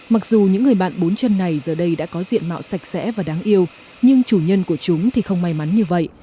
mặc dù những người bạn bốn chân này giờ đây đã có diện mạo sạch sẽ và đáng yêu nhưng chủ nhân của chúng thì không may mắn như vậy